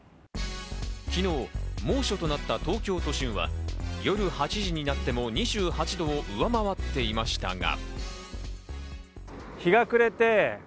昨日、猛暑となった東京都心は、夜８時になっても２８度を上回っていましたが。